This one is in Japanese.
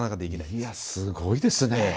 いやすごいですね。